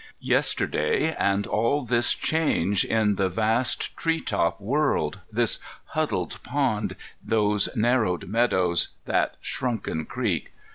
Yesterday, and all this change in the vast treetop world, this huddled pond, those narrowed meadows, that shrunken creek!